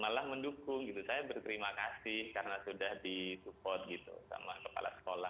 malah mendukung gitu saya berterima kasih karena sudah disupport gitu sama kepala sekolah